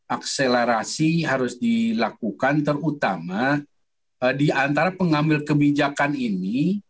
akselerasi harus dilakukan terutama di antara pengambil kebijakan ini